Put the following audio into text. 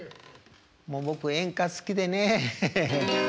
もう僕演歌好きでねえヘヘヘ。